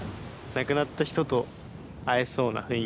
亡くなった人と会えそうな雰囲気があるというか。